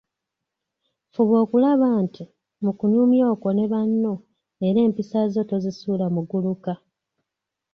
Fuba okulaba nti, mu kunyumya okwo ne banno era empisa zo tozisuula muguluka.